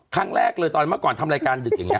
ครั้งแรกเลยตอนเมื่อก่อนทำรายการดึกอย่างนี้